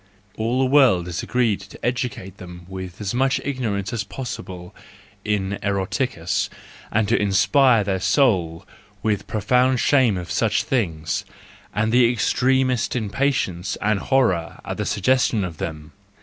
All the world is agreed to educate them with as much ignorance as possible in eroiicis , and to inspire their soul with a profound shame of such things, and the extremest impatience and horror at the suggestion of them.